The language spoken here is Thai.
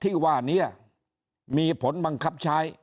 ถ้าท่านผู้ชมติดตามข่าวสาร